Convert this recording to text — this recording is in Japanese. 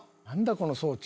この装置］